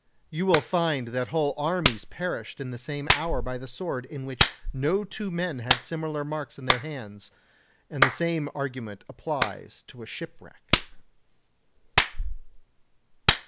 You will find that whole armies perished in the same hour by the sword in which no two men had similar marks in their hands, and the same argument applies to a shipwreck.